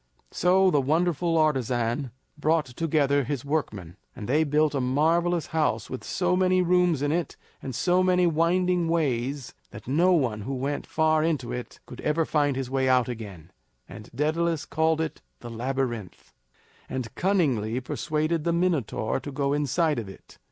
So the wonderful artisan brought together his workmen, and they built a marvelous house with so many rooms in it and so many winding ways that no one who went far into it could ever find his way out again; and Daedalus called it the Labyrinth, and cunningly persuaded the Minotaur to go inside of it.